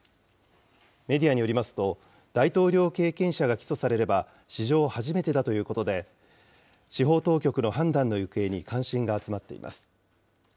メディアによりますと、大統領経験者が起訴されれば、史上初めてだということで、司法当局の判断の行方に関心が集まっています。